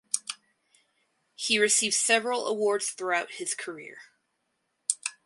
He received several awards throughout his career.